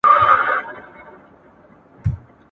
په لوی لاس به دروازه د رزق تړمه !.